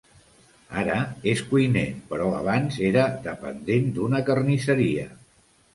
Ara és cuiner, però abans era dependent d'una carnisseria.